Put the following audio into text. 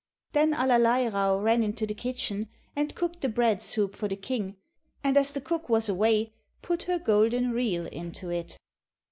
Then Allerleirauh ran into the kitchen, and cooked the bread soup for the King, and as the cook was away, put her golden reel into it.